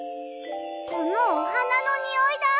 このおはなのにおいだ！